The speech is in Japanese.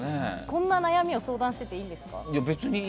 こんな悩みを相談してていいんですか？